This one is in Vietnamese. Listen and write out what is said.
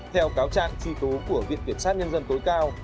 theo cáo trạng truy tố của viện kiểm sát nhân dân tối cao